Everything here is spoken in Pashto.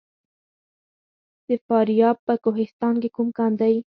د فاریاب په کوهستان کې کوم کان دی؟